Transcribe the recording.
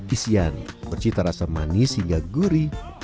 sando memiliki beragam isian bercinta rasa manis hingga gurih